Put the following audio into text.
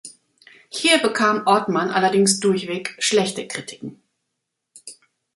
Hier bekam Ortmann allerdings durchweg schlechte Kritiken.